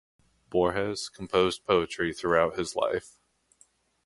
Borges composed poetry throughout his life.